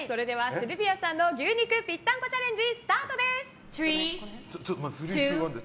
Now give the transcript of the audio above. シルビアさんの牛肉ぴったんこチャレンジ。